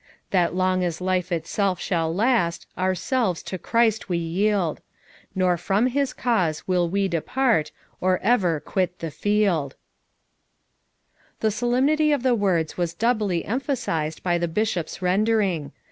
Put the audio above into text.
a t That long as life itself shall last Ourselves to Christ we yield; Nor from his cause will we depart Or ever quit the field/ " 222 FOUR MOTHERS AT CHAUTAUQUA The solemnity of the words was doubly em phasized by the Bishop's rendering.